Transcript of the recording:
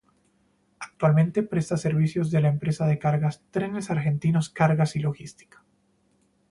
Actualmente, presta servicios de la empresa de cargas Trenes Argentinos Cargas y Logística.